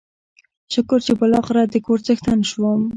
شکر چې بلاخره دکور څښتن شوم.